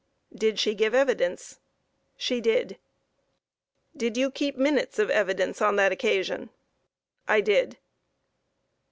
Q. Did she give evidence? A. She did. Q. Did you keep minutes of evidence on that occasion? A. I did.